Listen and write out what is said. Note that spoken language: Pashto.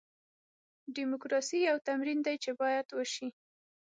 ډیموکراسي یو تمرین دی چې باید وشي.